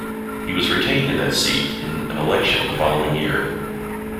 He was retained in that seat in an election the following year.